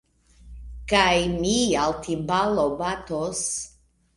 Kaj mi al timbalo batos.